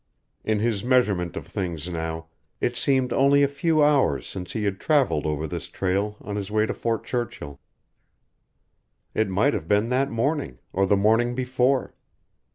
In his measurement of things now, it seemed only a few hours since he had traveled over this trail on his way to Fort Churchill; it might, have been that morning, or the morning before.